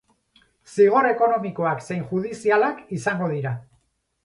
Zigor ekonomikoak zein judizialak izango dira.